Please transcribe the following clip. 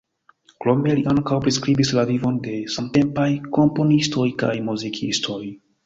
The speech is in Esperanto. Krome li ankaŭ priskribis la vivon de samtempaj komponistoj kaj muzikistoj.